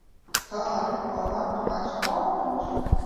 Tā ripo metamais kauliņš.